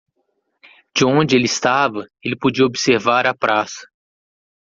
De onde ele estava, ele podia observar a praça.